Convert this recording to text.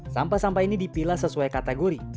sampah sampah ini dipilah sesuai kategori